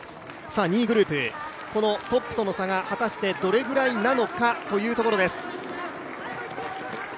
２位グループ、トップとの差が果たしてどれくらいなのかというところです。